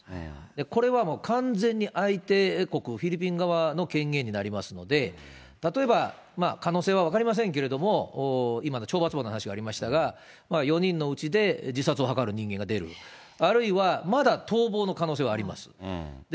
これはもう完全に相手国、フィリピン側の権限になりますので、例えば、可能性は分かりませんけれども、今の懲罰房の話がありましたが、４人のうちで自殺を図る人間が出る、あるいは、まだ逃亡の可能性はあります。